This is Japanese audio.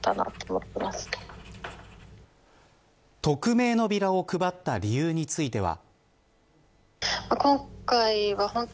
匿名のビラを配った理由については。